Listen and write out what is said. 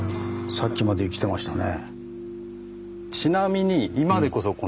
さっきまで生きてましたね。